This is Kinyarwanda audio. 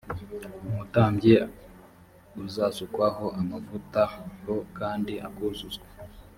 umutambyi uzasukwaho amavuta h kandi akuzuzwa